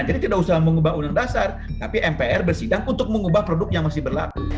tidak usah mengubah undang undang dasar tapi mpr bersidang untuk mengubah produk yang masih berlaku